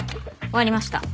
終わりました。